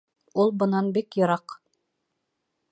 Ул бынан бик йыраҡ